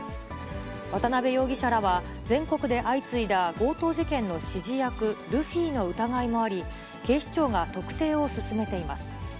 渡辺容疑者らは、全国で相次いだ強盗事件の指示役、ルフィの疑いもあり、警視庁が特定を進めています。